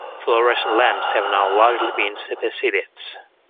Fluorescent lamps have now largely been superseded